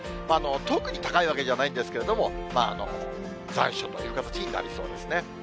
特に高いわけじゃないんですけれども、残暑という形になりそうですね。